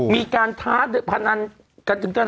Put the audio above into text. มีการท้าพันอันกันจึงเท่านั้น